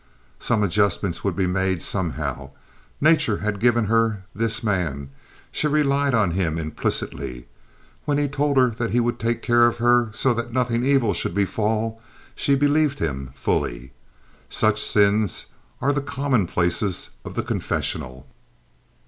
Some adjustment would be made, somehow. Nature had given her this man. She relied on him implicitly. When he told her that he would take care of her so that nothing evil should befall, she believed him fully. Such sins are the commonplaces of the confessional.